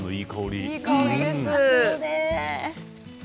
いい香り。